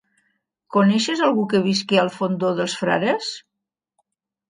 Coneixes algú que visqui al Fondó dels Frares?